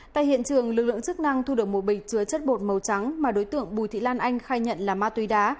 tại hiện trường lực lượng chức năng thu được một bịch chứa chất bột màu trắng mà đối tượng bùi thị lan anh khai nhận là ma túy đá